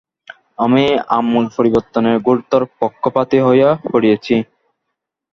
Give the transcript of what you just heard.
আমি আমূল পরিবর্তনের ঘোরতর পক্ষপাতী হয়ে পড়েছি।